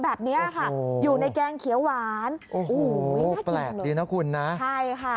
แบบนี้ค่ะอยู่ในแกงเขียวหวานโอ้โหแปลกดีนะคุณนะใช่ค่ะ